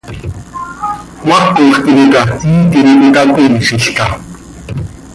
¿Cmaacoj timoca iiitim cöitacoiizilca?